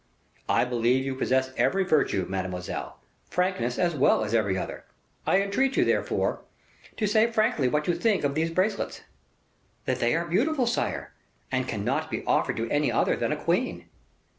"I believe you possess every virtue, mademoiselle; frankness as well as every other; I entreat you, therefore, to say frankly what you think of these bracelets?" "That they are beautiful, sire, and cannot be offered to any other than a queen."